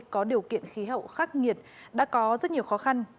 có điều kiện khí hậu khắc nghiệt đã có rất nhiều khó khăn